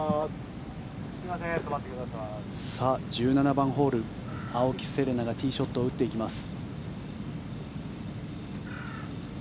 １７番ホール青木瀬令奈がティーショットを打っていきます。